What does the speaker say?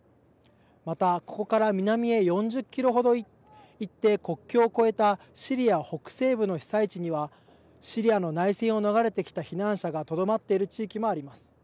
また、ここから南へ４０キロ程行って国境を越えたシリア北西部の被災地にはシリアの内戦を逃れてきた避難者がとどまっている地域もあります。